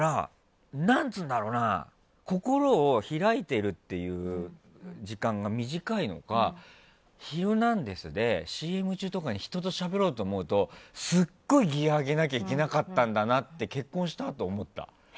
だから、心を開いてるっていう時間が短いのか「ヒルナンデス！」でＣＭ中とかに人としゃべろうと思うとすっごいギアを上げなきゃいけなかったんだなって結婚したあと思った。